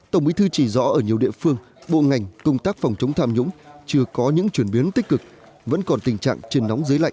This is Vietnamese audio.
tổng bí thư chỉ rõ ở nhiều địa phương bộ ngành công tác phòng chống tham nhũng chưa có những chuyển biến tích cực vẫn còn tình trạng trên nóng dưới lạnh